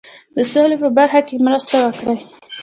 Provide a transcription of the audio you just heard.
د سولي په برخه کې مرسته وکړي.